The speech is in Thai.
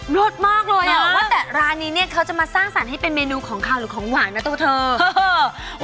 โรดวันนี้เจ้าจะมาสร้างสารให้เป็นเมนูของขาวของหวานนะผมเทอว์